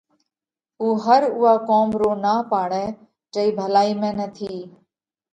اُو ھر اُوئا ڪوم رو نا پاڙئھ جئي ڀلائِي ۾ نٿِي۔